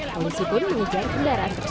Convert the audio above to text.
polisi pun mengisi kendaraan tersebut